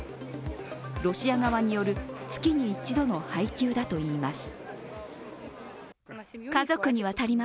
ロシア側による月に一度の配給だといいます。